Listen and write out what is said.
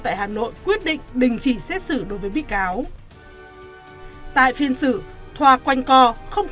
tại hà nội quyết định đình chỉ xét xử đối với bị cáo tại phiên xử thoa quanh co không